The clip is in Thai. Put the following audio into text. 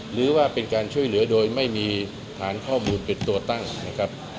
หรือว่าเป็นการช่วยเหลือโดยไม่มีฐานข้อมูลเป็นตัวตั้งนะครับ